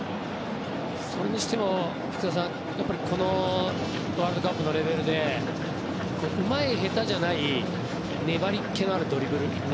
それにしても、福田さんこのワールドカップのレベルでうまい、下手じゃない粘りっ気のあるドリブル。